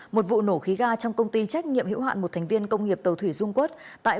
một vụ nổ khí ga trong công ty trách nhiệm hữu hạn một thành viên công nghiệp tàu thủy dung quốc tại